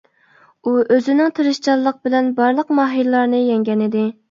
ئۇ ئۆزىنىڭ تىرىشچانلىق بىلەن بارلىق ماھىرلارنى يەڭگەنىدى.